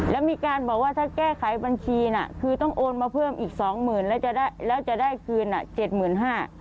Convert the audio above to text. แล้วมีการบอกว่าถ้าแก้ไขบัญชีน่ะคือต้องโอนมาเพิ่มอีกสองหมื่นแล้วจะได้แล้วจะได้คืนอ่ะเจ็ดหมื่นห้า